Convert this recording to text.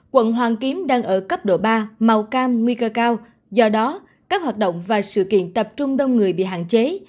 quận hoàn kiếm đang ở cấp độ ba màu cam nguy cơ cao do đó các hoạt động và sự kiện tập trung đông người bị hạn chế